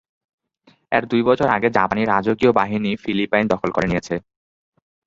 এর দুই বছর আগে জাপানি রাজকীয় বাহিনী ফিলিপাইন দখল করে নিয়েছে।